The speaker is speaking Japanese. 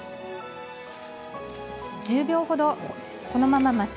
１０秒ほどこのまま待ちます。